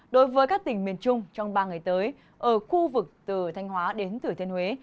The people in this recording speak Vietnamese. đối với các tỉnh miền trung trong ba ngày tới ở khu vực từ thanh hóa đến thử thiên huế